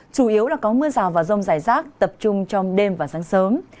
chủ yếu là có mưa rào và rông rải rác tập trung trong đêm và sáng sớm